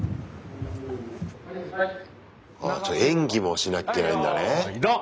じゃあ演技もしなきゃいけないんだね。